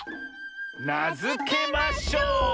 なづけましょう！